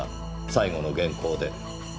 最後の原稿？